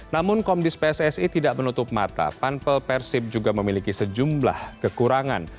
namun komdis pssi tidak menutup mata panpel persib juga memiliki sejumlah kekurangan